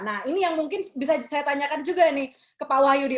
nah ini yang mungkin bisa saya tanyakan juga nih ke pak wahyudi